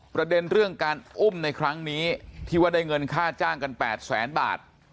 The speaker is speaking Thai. ประเด็นเรื่องการอุ้มในครั้งนี้ที่ว่าได้เงินค่าจ้างกัน๘แสนบาท